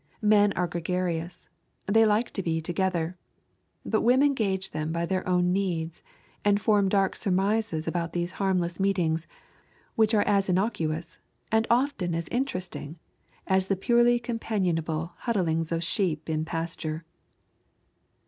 Men are gregarious; they like to be together. But women gauge them by their own needs, and form dark surmises about these harmless meetings, which are as innocuous and often as interesting as the purely companionable huddlings of sheep in pasture.